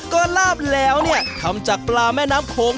ก็ลาบแล้วเนี่ยทำจากปลาแม่น้ำโขง